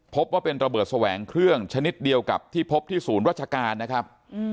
พบว่าเป็นระเบิดแสวงเครื่องชนิดเดียวกับที่พบที่ศูนย์ราชการนะครับ